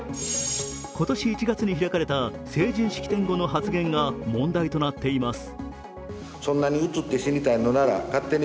今年１月に開かれた成人式典後の発言が問題となっています。